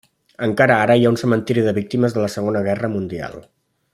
Encara ara hi ha un cementiri de víctimes de la Segona Guerra Mundial.